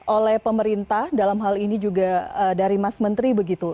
oleh pemerintah dalam hal ini juga dari mas menteri begitu